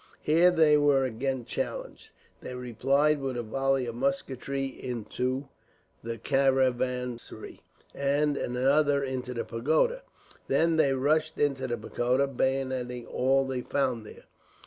Here they were again challenged. They replied with a volley of musketry into the caravansary, and another into the pagoda. Then they rushed into the pagoda, bayoneting all they found there.